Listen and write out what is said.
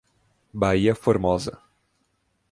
Baía Formosa